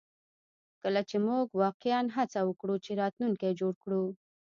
کله چې موږ واقعیا هڅه وکړو چې راتلونکی جوړ کړو